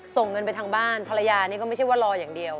ส่งเงินไปทางบ้านภรรยานี่ก็ไม่ใช่ว่ารออย่างเดียว